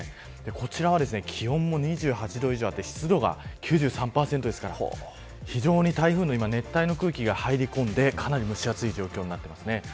こちらは気温も２８度以上あって湿度が９３％ですから非常に台風の熱帯の空気が入り込んでかなり蒸し暑い状況になっていますね。